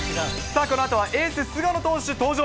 さあこのあとはエース、菅野投手登場。